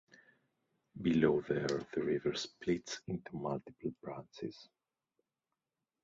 Below there the River splits into multiple branches.